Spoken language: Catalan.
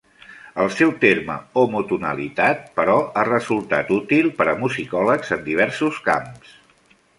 El seu terme "homotonalitat", però, ha resultat útil per a musicòlegs en diversos camps.